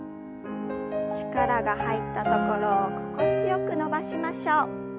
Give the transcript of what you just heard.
力が入ったところを心地よく伸ばしましょう。